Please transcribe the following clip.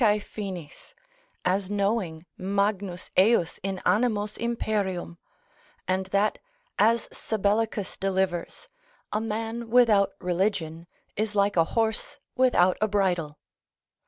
Finis, as knowing magnus ejus in animos imperium; and that, as Sabellicus delivers, A man without religion, is like a horse without a bridle.